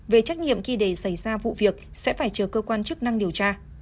về trách nhiệm khi để xảy ra vụ việc sẽ phải chờ cơ quan chức năng điều tra